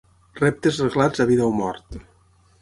Reptes reglats a vida o mort.